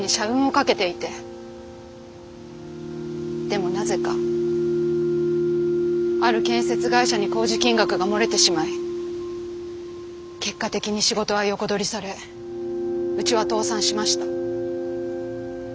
でもなぜかある建設会社に工事金額が漏れてしまい結果的に仕事は横取りされうちは倒産しました。